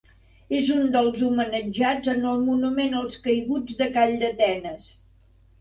És un dels homenatjats en el Monument als Caiguts de Calldetenes.